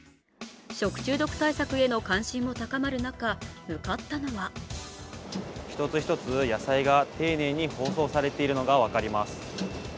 食中毒対策への関心も高まる中向かったのは１つ１つ野菜が丁寧に包装されているのが分かります。